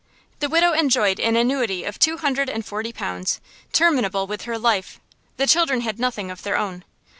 The widow enjoyed an annuity of two hundred and forty pounds, terminable with her life; the children had nothing of their own.